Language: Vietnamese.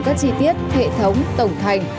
các chi tiết hệ thống tổng thành